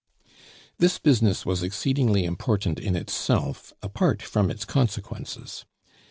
This business was exceedingly important in itself, apart from its consequences.